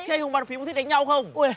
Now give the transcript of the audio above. thế anh hùng bản phí muốn thích đánh nhau không